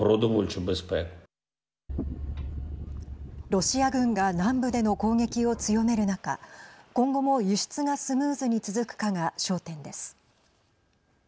ロシア軍が南部での攻撃を強める中今後も輸出がスムーズに続くかが焦点です。